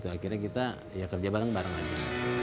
akhirnya kita kerja bareng bareng saja